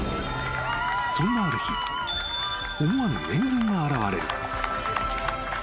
［そんなある日思わぬ援軍が現れる］